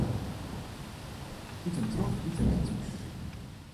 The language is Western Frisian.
Ut en troch iet er net thús.